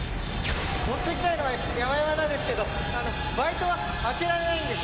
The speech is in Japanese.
持って来たいのはやまやまなんですけどバイトは開けられないんです。